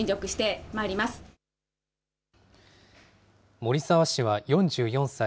森澤氏は４４歳。